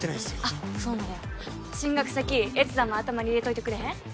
あっそうなんや進学先越山も頭に入れといてくれへん？